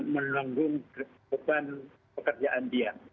menanggung kebutuhan pekerjaan dia